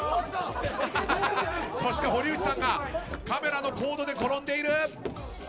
そして堀内さんがカメラのコードで転んでいる。